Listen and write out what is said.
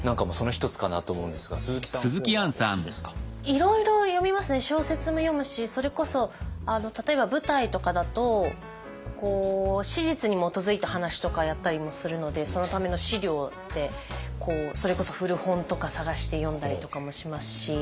いろいろ読みますね小説も読むしそれこそ例えば舞台とかだと史実に基づいた話とかやったりもするのでそのための資料ってそれこそ古本とか探して読んだりとかもしますし。